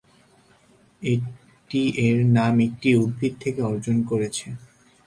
এটি এর নাম একটি উদ্ভিদ থেকে অর্জন করেছে।